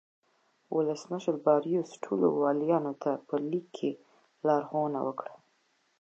ولسمشر باریوس ټولو والیانو ته په لیک کې لارښوونه وکړه.